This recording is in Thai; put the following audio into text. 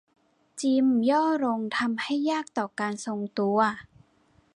จิมย่อลงทำให้ยากต่อการทรงตัว